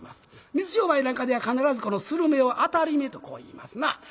水商売なんかでは必ずこの「するめ」を「あたりめ」とこう言いますな。